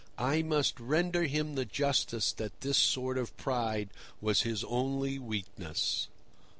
I must render him the justice that this sort of pride was his only weakness.